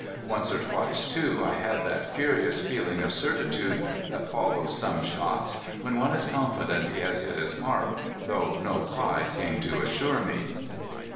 Once or twice, too, I had that curious feeling of certitude that follows some shots, when one is confident he has hit his mark, though no cry came to assure me.